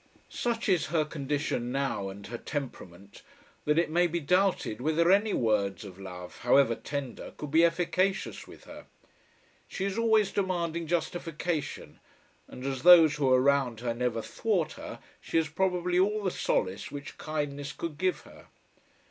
Such is her condition now, and her temperament, that it may be doubted whether any words of love, however tender, could be efficacious with her. She is always demanding justification, and as those who are around her never thwart her she has probably all the solace which kindness could give her.